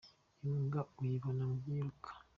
Imbwa uyibona mubyiruka.